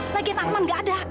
lagian arman gak ada